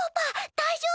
だいじょうぶ？